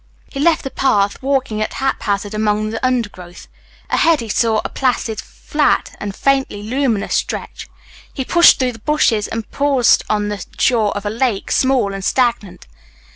He left the path, walking at haphazard among the undergrowth. Ahead he saw a placid, flat, and faintly luminous stretch. He pushed through the bushes and paused on the shore of a lake, small and stagnant.